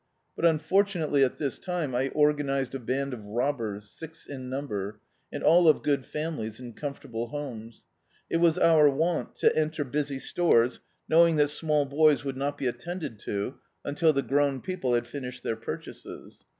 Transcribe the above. But unfortunately, at this time, I organised a band of robbers, six in number, and all of good families and comfortable homes. It was our wont to enter busy stores, knowing that small boys would not be attended to imtil the grown people had &!• ished their purchases.